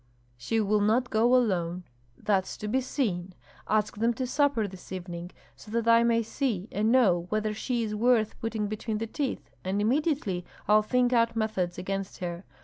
"She will not go alone." "That's to be seen. Ask them to supper this evening, so that I may see and know whether she is worth putting between the teeth, and immediately I'll think out methods against her.